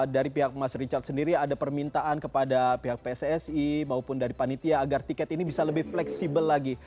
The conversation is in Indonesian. dari pihak mas richard sendiri ada permintaan kepada pihak pssi maupun dari panitia agar tiket ini bisa lebih fleksibel lagi